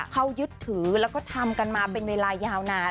เขายึดถือแล้วก็ทำกันมาเป็นเวลายาวนาน